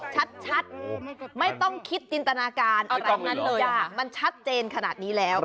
ชัดไม่ต้องคิดตินตนาการมันชัดเจนขนาดนี้แล้ว